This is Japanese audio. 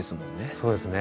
そうですね。